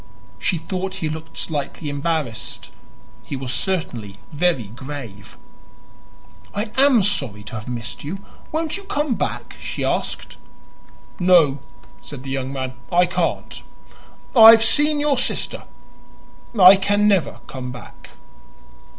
She thought he looked slightly embarrassed; he was certainly very grave. "I am sorry to have missed you. Won't you come back?" she asked. "No," said the young man, "I can't. I have seen your sister. I can never come back."